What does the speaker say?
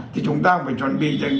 thì chúng ta phải chuẩn bị như là